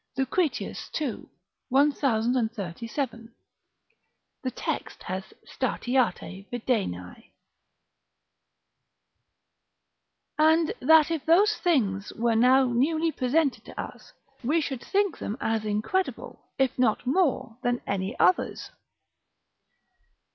Lucretius, ii. 1037. The text has 'statiate videnai'] and that if those things were now newly presented to us, we should think them as incredible, if not more, than any others.